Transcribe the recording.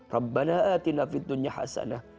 rabbana atina fid dunya hasanah